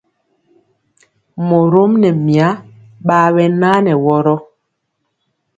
Morom nɛ mya ɓaa ɓɛ naa nɛ wɔrɔ.